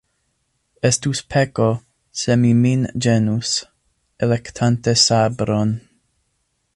Estus peko, se mi min ĝenus, elektante sabron.